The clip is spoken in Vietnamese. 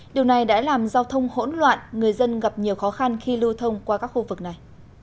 điều này đã làm giao thông hỗn loạn người dân gặp nhiều khó khăn khi lưu thông qua các khu vực này